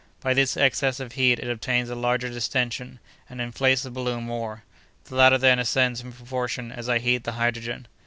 By this excess of heat it obtains a larger distention, and inflates the balloon more. The latter, then, ascends in proportion as I heat the hydrogen.